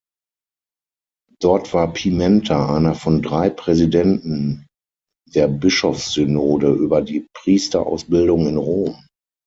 Dort war Pimenta einer von drei Präsidenten der Bischofssynode über die Priesterausbildung in Rom.